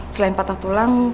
selain patah tulang